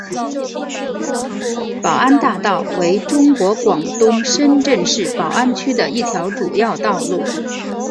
宝安大道为中国广东深圳市宝安区的一条主要道路。